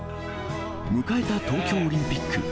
迎えた東京オリンピック。